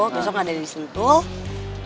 besok ada di suntul